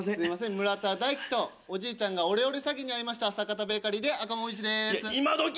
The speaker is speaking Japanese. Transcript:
村田大樹とおじいちゃんがオレオレ詐欺に遭いました阪田ベーカリーで赤もみじです今どき